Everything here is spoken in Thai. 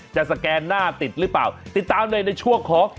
สแกนหน้าติดหรือเปล่าติดตามเลยในช่วงของ